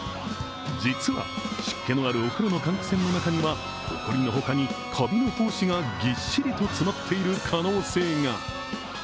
実は湿気のあるお風呂の換気扇の中には、ほこりの他にカビの胞子がぎっしりと詰まっている可能性が。